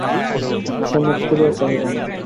সে মুখ তুলিয়া চাহিল না।